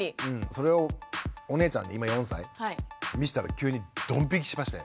それをお姉ちゃんに今４歳見したら急にドン引きしまして。